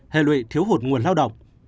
hệ lụy thiếu hụt nguồn lao động